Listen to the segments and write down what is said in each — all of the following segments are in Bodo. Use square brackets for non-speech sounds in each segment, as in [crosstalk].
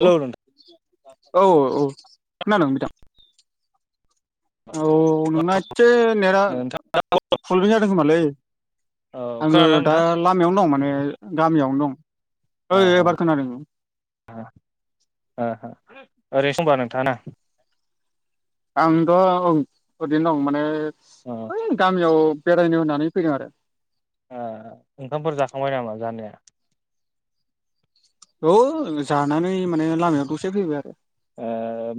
लौ हेलौ नोंथां औ औ खोनादों नोंथां? औ नोंना एसे नेटआ नोंथां प्रब्लेम जादों खोमालै। औ आङो खोनादोंना दा लामायावनो दं माने गामियावनो दं। ओइ नोंथां ओ एबार खोनादों। ओ ओ ओरैनोसो दंबा नोंथाङ ना? आंथ' औ ओरैनो दं माने ओ ओइ गामियाव बेरायनो होननानै फैदों आरो। ओ ओंखामफोर जाखांबाय नामा जानाया? औ जानानै माने लामायाव दसे फैबाय आरो। ओ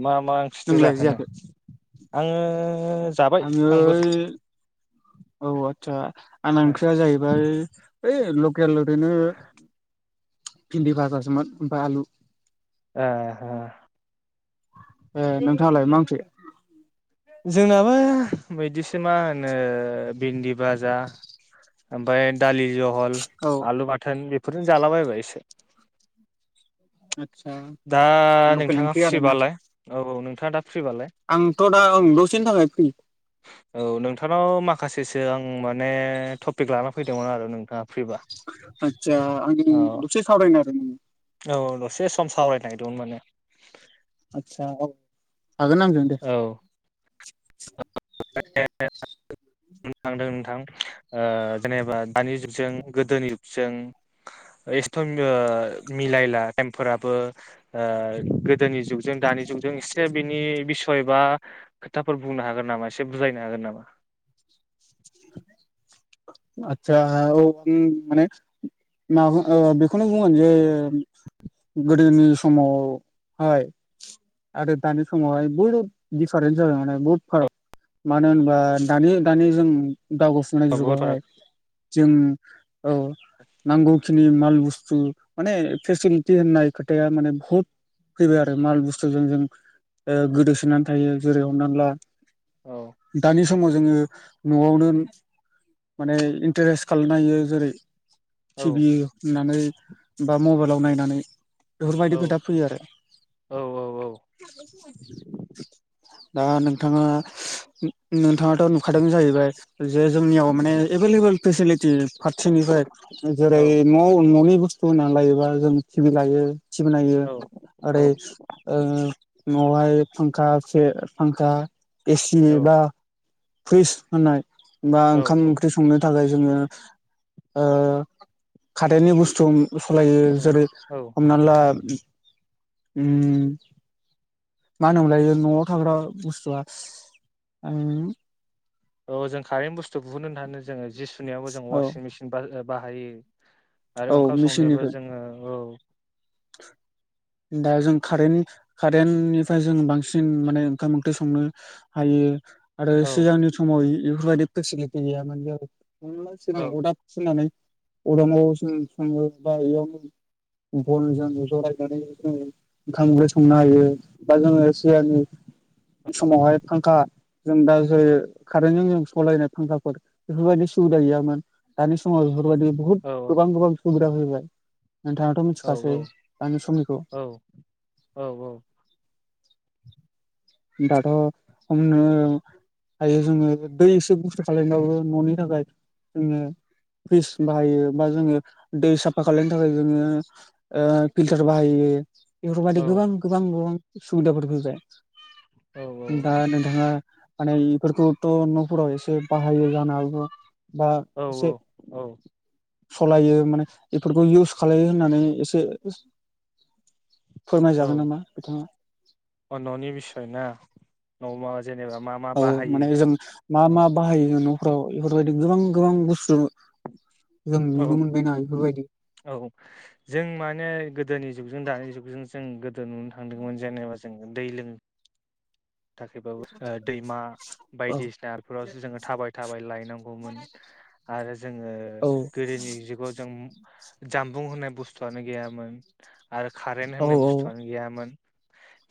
मा मा ओंख्रिथो नोंलाय जाखोनो जायाखै आङो जाबाय आङो आंबो ओइ औ आदसा आंना ओ ओंख्रिया जाहैबाय ओइ लकेल ओरैनो फिन्दि फाजा सोमोन ओमफ्राय आलु। ओ ए नोंथाङालाय मा ओंख्रि? जोंनाबो बायदिसिना मा होनो भिन्दि बाजा। ओमफ्राय दालि ज ल औ आलु बाथोन बेफोरनो जालाबायबाय एसे। आदसा दा लकेल नोंथाङा ओंख्रि आरोना फ्रिबालाय औ नोंथाङा दा फ्रिबालाय? आंथ' दा ओं दसेनि थाखाय फ्रि औ नोंथांनाव माखासेसो आं माने थफ फिख लाना फैदोंमोन आरो नोंथाङा फ्रिबा आदसा आं औ। दसे सावरायनो आरो नों औ दसे सम सावरायनो नागिरदोंमोन माने। आदसा औ हागोन आंजों दे। [unintelligible] नुनो नोंथां ओ जेनेबा दानि जुगजों गोदोनि जुगजों एस्थ' ओ मिलायला टाइम फोराबो ओ गोदोनि जुगजों दानि जुगजों। जों एसे बिनि बिसय बा खोथाफोर बुंनो हागोन नामा? एसे बुजायनो हागोन नामा? [inaudible] आतसा औ माने मा ओ बेखौनो बुंगोन जे गोदोनि समावहाय आरो दानि समावहाय बहुत दिफारेन्स जाबाय माने बहुत औ फाराक मानो होनबा दानि दानि जों दावगाफुंनाय बहुद फाराग जुगावहाय जों औ नांगौखिनि बुसथु माने फेसिलिति होन्नाय खोथाया माने बहुट फैबाय आरो माल बुस्थुजों जों ओ गोदोसोनानै थायो जेरै हमना ला औ दानि समाव जोङो न'आवनो उम माने इन्टारेस्ट खालायनो हायो जेरै- औ टिभि होननानै बा मबाइलाव नायनानै औ बेफोरबायदि खोथा फैयो आरो। औ दा नोंथाङा नोंथाङाथ' नुखादों जाहैबाय। जे जोंनियाव माने एभेलेबेल फेसिलिटि फारसेनिफ्राय औ जेरै न' न'नि बुस होननानै लायोबा जों टिभि लायो टिभि नायो औ ओरै औ ओ न'आवहाय फांखा सो फांखा एसि बा फ्रिस होननाय बा ओंखाम औ ओंख्रि संनो थाखाय जोङो ओ खारेननि बुस्थु सलायो जेरै औ हमना ला उम मा होनोमोनलायो? न'आव थाग्रा बुस्थुआ आ औ जों कारेन्ट बुस्थु बुहुनो होनना जोङो जि सुनायावबो जों औ वासिं मेसिन बा ओ बाहायो। आरो औ ओंखाम संनोबो मेसिननिफ्राय जोङो औ। दा जों कारेन्ट कारेन्टनिफ्राय जों बांसिन माने ओंखाम ओंख्रि संनो हायो। आरो औ सिगांनि समाव इफोरबायदि फेसिलिटि गैयामोन ज संला सिगां औ अरदाबसो नालाय। अरदाबाव जों संओ बायाव उम। बनजों जरायनानै जोङो ओंखाम औ ओंख्रि संनो हायो दा जोङो सिगांनि समावहाय फांखा जों दा जेरै कारेन्टजों जों सलायनाय फांखाफोर बेफोरबायदि सुबिदा गैयामोन। दानि समाव बेफोरबायदि बहुद औ गोबां गोबां सुबिदा फैबाय नोंथाङाथ' मिथिखासै। आंनि समनिखौ औ औ औ दाथ' संनो हायो जोङो दै एसे बुस्थु खालायबावो न'नि थाखाय जोङो फ्रिस बाहायो बा जोङो दै साफा खालायनो थाखाय जोङो ओ फिल्टार बाहायो बेफोरबायदि गोबां गोबां गोबां सुबिदाफोर फैबाय। दा नोंथाङा माने बेफोरखौथ' न'फोराव एसे बाहायो जानो हागौ बा एसे औ औ सलायो माने बेफोरखौ इउस खालायो होननानै एसे फोरमायजागोन नामा बिथाङा औ न'नि बिसयना न'आव मा मा औ बाहायो माने जों मा मा औ बाहायो न' फ्राव बेफोरबायदि गोबां गोबां बुस्थु जों नुनो औ मोनबायना बेफोरबायदि। औ जों माने गोदोनि जुगजों दानि जुगजों जों गो गो नुनो थांदोंमोन जेनेबा जों दै लों थाखायबाबो दैमा औ बायदिसिनाफोरावसो जोङो थाबाय थाबाय लायनांगौमोन। आरो जोङो औ गोदोनि जुगाव जों जामबुं होननाय बुस्थुआनो गैयामोन आरो कारेन्त औ होननाय बुस्थुआनो औ गैयामोन।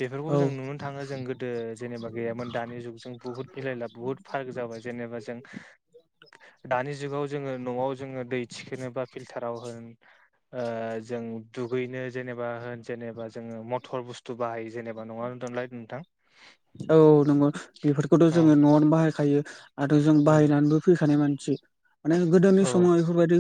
बेफोरखौबो औ जों नुनो थाङो जों गो ओ जेनेबा गैयामोन दानि जुग जों बुहुत मिलायला बुहुत फाराग जाबाय। जेनेबा जों दानि जुगाव जोङो न'आव जोङो दै थिखोननो बा फिल्टार आव होन ओ जों दुगैनो जेनेबा होन जेनेबा जोङो मथर बुस्थु बाहायो जेनेबा नङा दनलाय नोंथां। औ नंगौ बेफोरखौथ' औ जोङो न'आवनो बाहायखायो आरो जों औ बाहायनानैबो फैखानाय मान सोइमाने गोदोनि औ समाव बेफोरबायदि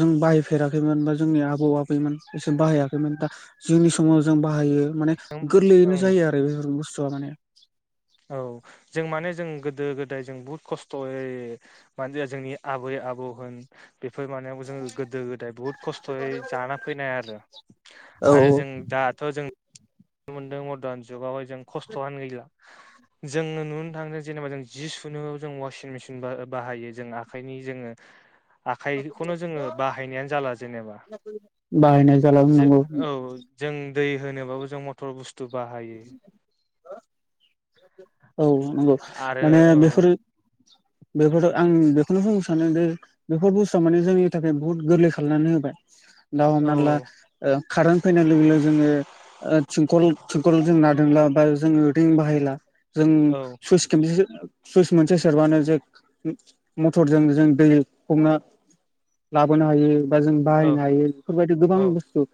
जों बाहायफेराखैमोन बा जोंनि आबौ आबैमोन इसोर बाहायाखैमोन दा जोंनि समाव जों बा बाहायो माने ओं गोरलैयैनो ओं जायो आरो बेफोर बुस्थुआ माने औ जों माने जों गोदो गोदाय जों बुहुत खस्थ'यै माने जोंनि आबै आबौ अ होन बेफोर मानायावबोजोंखो गोदो गोदाय बुहुत खस्थ'यै जाना फैनाय आरो। औ आरो औ जों दाथ' जों नुनो मोनदों मरडान जुगावहाय जों खस्थ'आनो गैला जोङो नुनो थांदों जेनेबा जों जि सुनो जों अवासिं मेसिन बाहायो जों आखाइनि जोङो आखाइखौनो जोङो बाहायनायानो जाला जेनेबा बाहायनाय जाला जो नंगौ औ। जों दै होनोबाबो जों मटर बुस्थु बाहायो। औ नंगौ आरो माने औ बेफोरो [inaudible] बेफोरथ' आं बेखौनो बुंनो सानोदि बेफोर बुस्थुआ माने जोंनि थाखाय बहुत गोरलै खालामनानै होबाय। दा औ हमना ला ओ कारेन्ट फैनाय लोगो लोगो जोङो ओ सिंखल थिंखल जों नादोंब्ला बा जोङो रिं बाहायला जों औ सुइस केमसे सो सुइस मोनसे सोरबानो जे मटरजों जों दै हमना लाबोनो हायो बा जों औ बाहायनो हायो बेफोरबायदि गोबां औ बुस्थु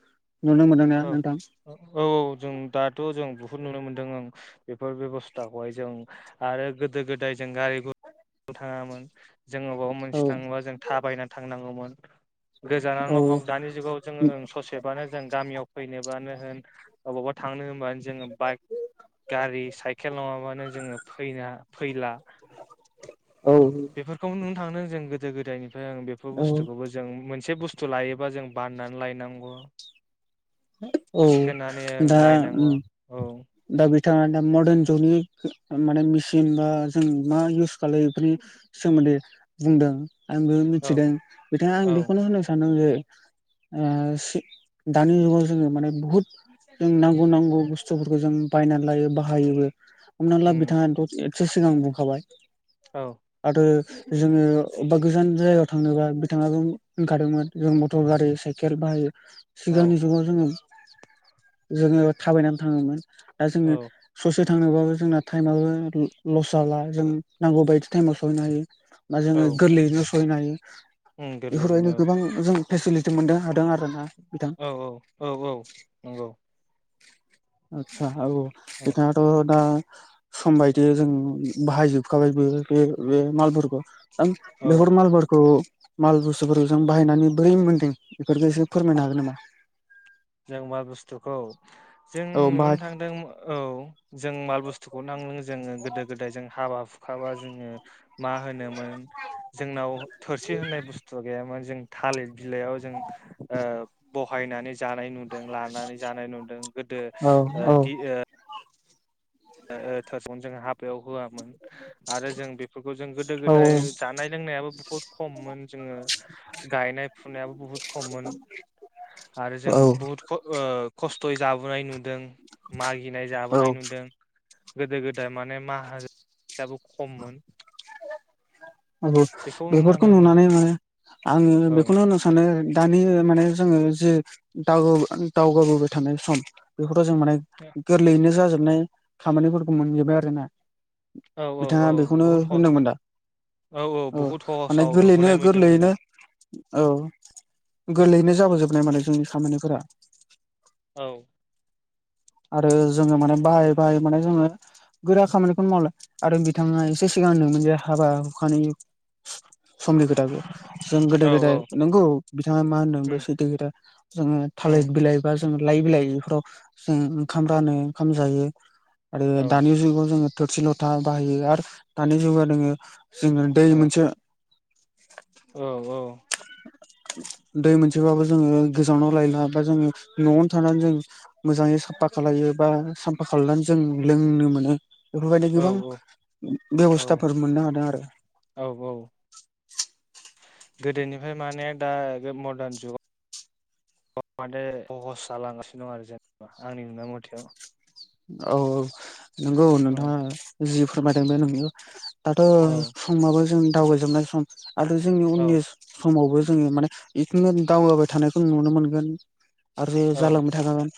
नुनो मोनदोंना औ नोंथां औ औ जों दाथ जों बुहुद नुनो मोनदों ओं बेफोर बेब'स्थाखौहाय जों आरो गोदो गोदाय जों गारि ग [inaudible] थाङामोन। जोङो अबावबा औ मोनसे थाङोबा जों थाबायना थांनांगौमोन। गोजानावनो औ हग दानि जुगाव जोङो ससेबानो जों गामियाव एबानो होन अबावबा थांनो होनबानो जोङो बाइक गारि साइकेल नङाबानो जोङो फैनो फैला [inaudible] बेफोरखौ नुनो थांदों जों गोदो गोदायनिफ्राय आं बेफोर औ बुस्थुखौबो जों मोन से बुस्थु लायोबा जों बाननानै लायनांगौ। औ थिखोनानै ओं दा लायनांगौ औ दा बे बिथाङा दा मर्डान जुगनि माने मेसिन बा जों मा इउस खालामो बेफोरनि सोमोन्दै [unintelligible] बुंदों आंबो औ मिथिदों बिथाङा आं औ बेखौनो होनो सानदों जे आ ओ दानि जुगाव जोङो माने बुहुत जों नांगौ नांगौ बुस्थुफोरखौ जों बायनानै लायो बाहायोबो। हमना ला उम बिथाङाथ एसे सिगां बुंखाबाय औ आरो जोङो अबेबा गोजान जायगायाव थांनोबा बिथाङाबो होनखादोंमोन जों मटर गारि साइकेल बाहायो। औ सिगांनि जुगाव जोङो जोङो थाबायनानै थाङोमोन। दा जोङो औ ससे थांनोबाबो जोंना टाइमाबो लस जाला जों नांगौ बायदि टाइमाव सहैनो हायो बा औ जोङो गोरलैयैनो सहैनो हायो। उम बेफोरबायदिनो गोरलैयैनो गोबां जों फेसिलिटि मोननो हादों आरोना नोंथां। औ औ औ औ नंगौ। आतसा औ औ औ नोंथाङाथ' दा सम बायदि जों बाहायजोबखाबायबो बे बे बे मालफोरखौ आं औ बेफोर मालफोरखौ माल बुस्थुफोरखौ जों बाहायनानै बोरै मोन्दों बेफोरखौसो फोरमायनो हागोन नामा? जों मा बुस्थुखौ जों औ नुनो बाहाय थांदों औ। जों माल बुस्थुखौ नों जोङो गोदो गोदाय जों हाबा हुखाबा जोङो मा होनोमोन जोंनाव थोरसि होननाय बुस्थु गैयामोन जों थालिर बिलाइयाव जों ओ बहायनानै जानाय नुदों लानानै जानाय नुदों गोदो औ ओ औ दि ओ ओ ओ थोसन जोङो हाब बेयाव होआमोन आरो जों बेफोरखौ जों गोदो औ गोदाय जानाय लोंनायाबो बुहुत खममोन जों जोङो गायनाय फुनायाबो बुहुत खममोन। आरो जों बुहुत ख ओ खस्थ'यै जाबोनाय नुदों मागिनाय औ औ जाबोनाय नुदों। गोदो गोदाय माने माहाजोनाबो खममोन। नंगौ बेखौ बेफोरखौ नुनांदों औ नुनानै माने आङो औ बेखौनो होननो सानो दानि माने जोङो जे दा दावगाबोबाय थानाय सम बेखौ जों माने गोरलैयैनो जाजोबनाय खामानिफोरखौ मोनजोबबाय आरोना। औ औ बिथाङा औ बेखौनो बहुत होनदोंमोन दा औ माने सहसाव गोरलैयैनो नुबोनाय बायदि मोनदों गोरलैयैनो औ औ गोरलैयैनो जाबोजोबनाय माने जोंनि खामानिफोरा औ आरो जोङो माने बाहाय बाहाय माने जोङो गोरा खामानिखौनो मावला आरो बिथाङा एसे सिगां होनदोंमोन जे हाबा हुखानि [unintelligible] समनि खोथा जों गोदो औ गोदाय औ नंगौ बिथाङा मा होनदों बे औ सैथो खोथा जोङो थाल [unintelligible] लाइ बिलाइ बेफोराव जों ओंखाम रानो ओंखाम जायो आरो औ दानि जुगाव जोङो। थोरसि लथा बाहायो आरो दानि जुगाव नोङो जोङो दै मोनसे औ औ। दै मोनसेबाबो जोङो गोजानाव लायला बा जोङो न'आवनो थानानै जों मोजां साफा खालायो बा साफा खालामनानै जों लोंनो मोनो। बेफोर बायदि गोबां औ बेबस्थाफोर मोननो हादों आरो। औ औ गोदोनिफ्राय माने दा बे मरदार जुगाव। माने सहस जालांगासिनो दं आरो जेनेबा आंनि नुनाय मथे। औ। नंगौ नोंथाङा जि फोरमायदों बे नोंगौ दाथ' औ समाबो जों दावगा जोबनाय सम आरो जोंनि औ उननि समावबो जोङो माने बिखिनि दावगाबाय थानायखौ नुनो मोनगोन। आरो औ जालांबाय थाखागोन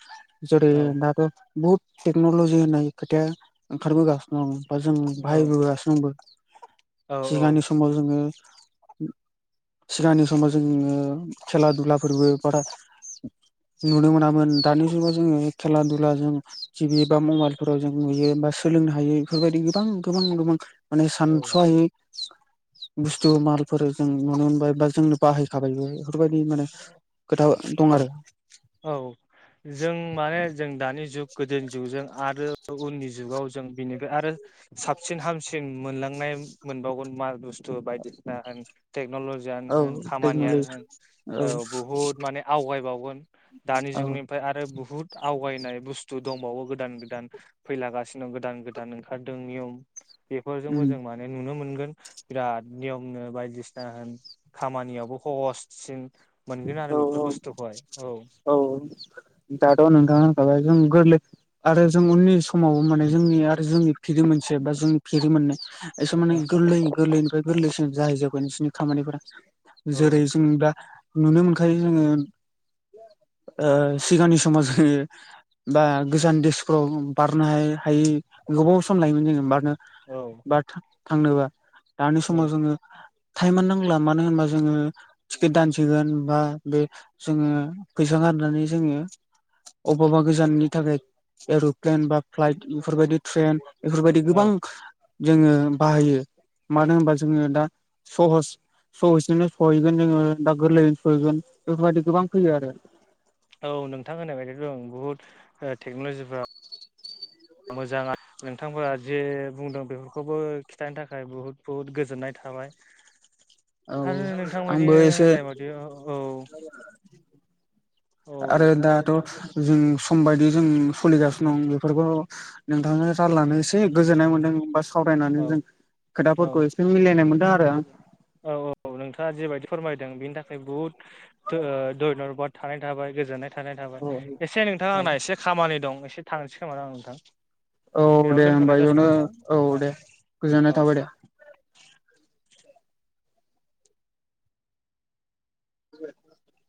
जेरै औ दाथ' बहुद टेक्न'लजि होननाय खोथाया ओंखारबोगासिनो दं बा जों औ बाहायबोगासिनो दंबो। सिगांनि समाव जोङो। सिगांनि समाव जोङो खेला दुलाफोरबो बारा नुनो मोनामोन दानि जुगाव जोङो खेला दुलाजों टिभि बा मबाइलफोराव जों नुयो एबा सोलोंनो हायो बेफोर बायदि गोबां गोबां गोबां। माने औ सानस'हायि बुस्थु मालफोर जों नुनो मोनबायबा जों बाहायखाबायबो। बेबायदि माने खोथा दं औ आरो। औ जों माने जों दानि जुग गोदोनि जुगजों आरो उननि जुगाव जों बेनिफ्राय आरो साबसिन हामसिन जों मोनलांनाय मोनबावगोन माल बुस्थु बायदिसिना। टेक्न'ल'जियानो औ होन टेक्न'लजि खामानियानो होन। औ बुहुद माने आवगायबावगोन दानि औ जुगनिफ्राय आरो बुहुत आवगायनाय बुस्थु दंबावो गोदान गोदान फैलागासिनो दं गोदान गोदान ओंखारदों। बेफोरजोंबो उम जों माने नुनो मोनो बिराद नियमनो बायदिसिना होन खामानियावबो सहससिन। औ औ औ दाथ'नोंथां होनखाबायानो गोरलै आरो जों उननि समावबो माने जोंनि आरो जोंनि फिरि मोनसे बा जोंनि फिरि मोननै। एसे औ माने गोरलै गोरलैनिफ्राय गोरलैसिन जाहैजोबगोन बिसोरनि खामानिफोरा। जेरै जों दा नुनो मोनखायो जोङो ओं सिगांनि समाव जोङो। बा गोजान देसफोराव बारनो हायि गोबाव सम लायोमोन जोङो बारनो औ बा थांनोबा दानि औ समाव जोङो टाइमानो नांला मानो होनबा जोङो टिकेट दान बा बे जोङो फैसा गारनानै जोङो अबावबा गोजाननि थाखाय एर'प्लेन बा फ्लाइट बेफोर बायदि ट्रेइन बेफोर बायदि गोबां औ जोङो बाहायो मानो होनबा जोङो दा सहस सहसजोंनो सहैगोन जोङो। दा गोरलैयै सहैगोन बेफोर बायदि गोबां फैयो आरो। औ नोंथां होनाय बायदि दं बुहुद ओ टेक्न'लजिफ्रा मोजां आ नोंथांआ जे बुंदों बेफोरखौबो खिन्थानो थाखाय बुहुद बुहुद गोजोननाय थाबाय। औ आरो नोंथां बायदि आंबो एसे होननाय बायदि औ आरो दाथ' जों सम बायदि जों सोलिगासिनो दं बेफोरखौ नोंथांजों [unintelligible] गोजोननाय मोन्दों बा सावरायनानै औ जों खोथाफोरखौ एसे मिलायनाय मोन्दों आरो औ औ औ नोंथाङा जिबायदि फोरमायदों बेनि थाखाय बुहुत द ओ धयन्बाद थानाय थाबाय गोजोननाय थानाय औ थाबाय एसे नोंथां औ आंना एसे खामानि दं एसे थांसै खोमाना आं नोंथां औ बेयावनो दे दोनथ'नाय होमबा एयावनो जासिगोन औ दे औ गोजोननाय थाबाय दे [inaudible]